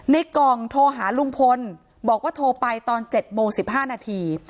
ในกล่องโทรหาลุงพลบอกว่าโทรไปตอน๗โมง๑๕นาที